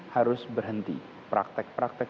harus berhenti praktek praktek